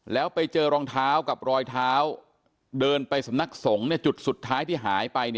แล้วไปเจอรองเท้ากับรอยเท้าเดินไปสำนักสงฆ์จุดสุดท้ายที่หายไป